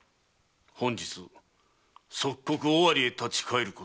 本日即刻尾張へ立ち返ること。